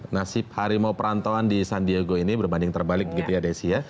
nasib hari mau perantauan di san diego ini berbanding terbalik gitu ya desi ya